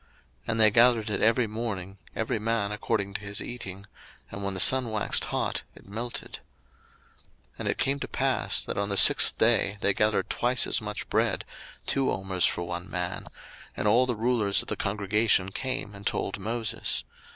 02:016:021 And they gathered it every morning, every man according to his eating: and when the sun waxed hot, it melted. 02:016:022 And it came to pass, that on the sixth day they gathered twice as much bread, two omers for one man: and all the rulers of the congregation came and told Moses.